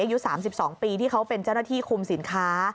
อายุ๓๒ปีที่เขาเป็นเจ้าหน้าที่คุมสินค้า